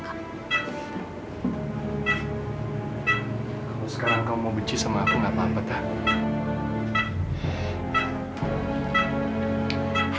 kalau sekarang kau mau benci sama aku gak apa apa tuh